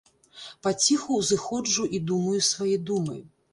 Паціху ўзыходжу і думаю свае думы.